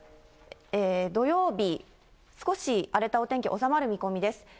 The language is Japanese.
土曜日、少し荒れたお天気収まる見込みです。